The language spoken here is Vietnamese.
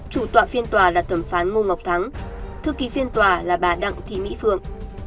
chủ tọa phiên tòa là thẩm phán ngô ngọc thắng thư ký phiên tòa là bà đặng thị mỹ phượng